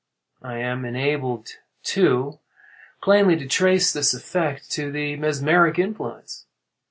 I am enabled, too, plainly to trace this effect to the mesmeric influence.